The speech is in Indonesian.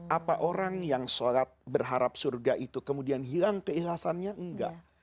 apa orang yang sholat berharap surga itu kemudian hilang keikhlasannya enggak